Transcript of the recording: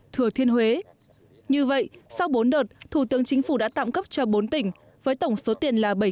thừa thiên huế như vậy sau bốn đợt thủ tướng chính phủ đã tạm cấp cho bốn tỉnh với tổng số tiền là